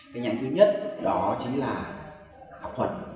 cái nhánh thứ nhất đó chính là học thuật